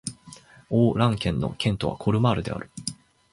オー＝ラン県の県都はコルマールである